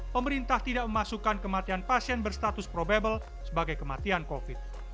pemerintah tidak memasukkan kematian pasien berstatus probable sebagai kematian covid